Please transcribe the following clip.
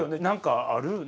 何かある？